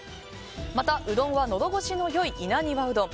また、うどんはのどごしの良い稲庭うどん。